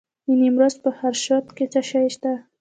د نیمروز په خاشرود کې څه شی شته؟